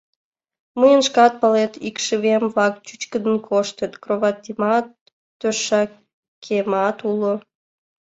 — Мыйын, шкат палет, икшывем-влак чӱчкыдын коштыт, кроватемат, тӧшакемат уло.